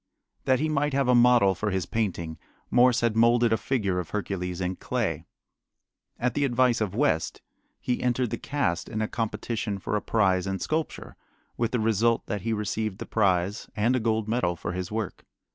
That he might have a model for his painting Morse had molded a figure of Hercules in clay. At the advice of West he entered the cast in a competition for a prize in sculpture, with the result that he received the prize and a gold medal for his work.